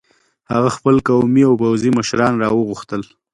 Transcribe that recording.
هغه خپل قومي او پوځي مشران را وغوښتل.